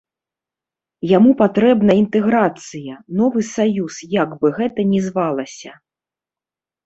Яму патрэбна інтэграцыя, новы саюз, як бы гэта ні звалася.